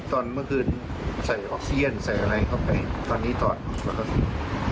ตอนเมื่อคืนใส่ออกซีเย็นใส่อะไรเข้าไปตอนนี้ถอดแล้วก็ซื้อ